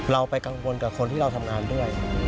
เราไปกังวลกับคนที่เราทำงานด้วย